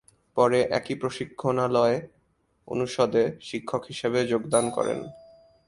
পরে একই প্রশিক্ষণালয় অনুষদে শিক্ষক হিসাবে যোগদান করেন।